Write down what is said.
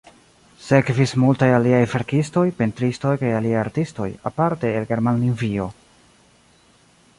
Sekvis multaj aliaj verkistoj, pentristoj kaj aliaj artistoj, aparte el Germanlingvio.